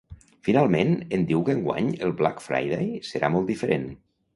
Finalment, em diu que enguany el “Black Friday” serà molt diferent.